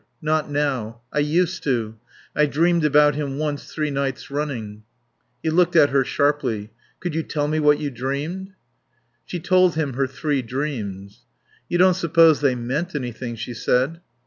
Not now. I used to. I dreamed about him once three nights running." He looked at her sharply. "Could you tell me what you dreamed?" She told him her three dreams. "You don't suppose they meant anything?" she said.